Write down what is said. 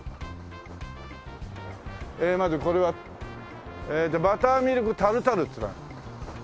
ええまずこれはえーと「バターミルクタルタル」っていう。